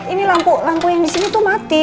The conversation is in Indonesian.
ini langku yang disini tuh mati